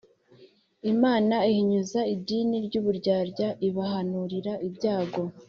Imana ihinyuza idini y uburyarya ibahanurira ibyago